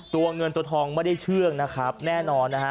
ตัวเงินตัวทองไม่ได้เชื่องนะครับแน่นอนนะฮะ